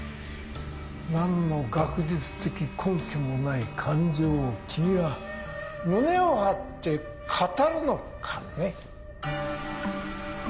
何の学術的根拠もない感情を君は胸を張って語るのかね？